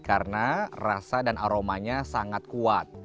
karena rasa dan aromanya sangat kuat